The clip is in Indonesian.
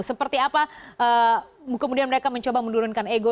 seperti apa kemudian mereka mencoba menurunkan ego